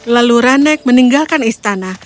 lalu rane meninggalkan istana